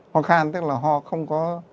ho khan tức là ho không có